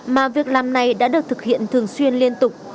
mà việc làm này đã được thực hiện thường xuyên liên tục